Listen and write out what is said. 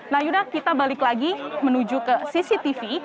nah yuda kita balik lagi menuju ke cctv